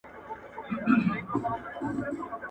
هغې ته دا فکر مه ورکوئ چي دا کور ستا وړ نه دی.